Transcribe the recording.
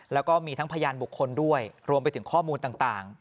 แล้วก็มีทั้งพยานบุคคลด้วยรวมไปถึงข้อมูลต่าง